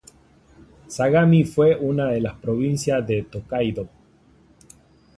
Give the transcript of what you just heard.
Sagami fue una de las provincias de Tōkaidō.